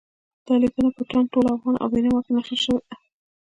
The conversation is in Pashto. دا لیکنه په تاند، ټول افغان او بېنوا کې نشر شوې ده.